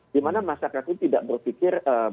dimana masyarakat itu tidak berpikir